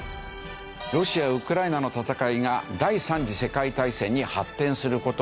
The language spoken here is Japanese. ロシアウクライナの戦いが第三次世界大戦に発展する事はあるのか？